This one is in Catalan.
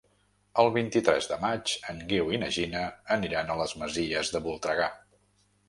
El vint-i-tres de maig en Guiu i na Gina aniran a les Masies de Voltregà.